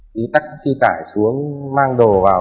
đi tắc xi tải xuống mang đồ vào